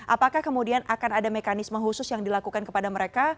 apakah kemudian akan ada mekanisme khusus yang dilakukan kepada mereka